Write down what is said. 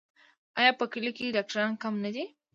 آیا په کلیو کې ډاکټران کم نه دي؟